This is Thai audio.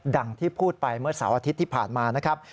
ดังที่พูดไปเมื่อเสาร์อาทิตย์ที่ผ่านมานะครับ